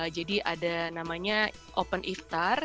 ada namanya open iftar